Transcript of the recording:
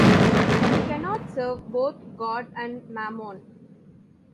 You cannot serve both God and mammon.